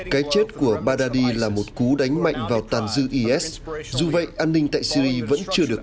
cái chết của baghdadi là một cú đánh mạnh vào tàn dư is dù vậy an ninh tại syri vẫn chưa được